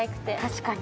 確かに。